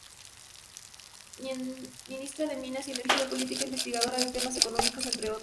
Ministra de Minas y Energía, política, investigadora de temas económicos, entre otros.